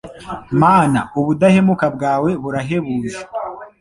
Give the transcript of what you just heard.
Mana ubudahemuka bwawe burahebuje